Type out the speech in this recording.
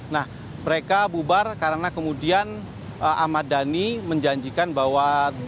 nah mereka bubar karena kemudian ahmad dhani menjanjikan bahwa